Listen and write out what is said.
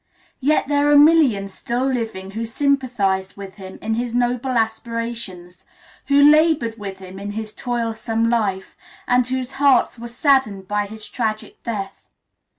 Yet there are millions still living who sympathized with him in his noble aspirations, who labored with him in his toilsome life, and whose hearts were saddened by his tragic death.